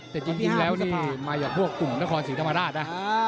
แต่จริงแล้วนี่ไม่อยู่ข้วกกลุ่มหน้าครสีธรรมราชนะ